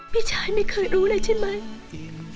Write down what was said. พี่ชายไม่เคยรู้เลยใช่ไหม